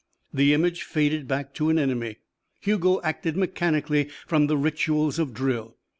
The image faded back to an enemy. Hugo acted mechanically from the rituals of drill.